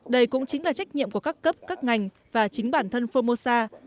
đây cũng chính là trách nhiệm của các cấp các ngành và chính bản thân formosa